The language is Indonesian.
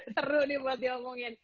teru nih buat dia omongin